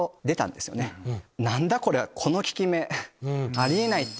「何だこりゃ⁉この効き目」。